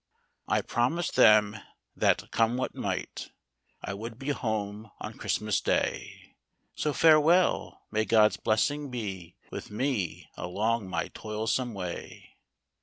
I promised them that, come what might, I would be home on Christmas Day ; So farewell ; may God's blessing be With me along my toilsome way."